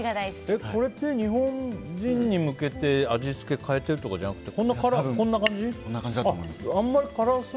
これって日本人に向けて味付けを変えてるとかじゃなくてこんな感じだと思います。